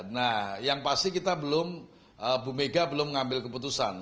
terima kasih kita belum bu mega belum mengambil keputusan